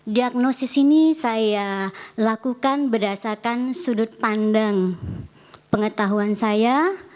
diagnosis ini saya lakukan berdasarkan sudut pandang pengetahuan saya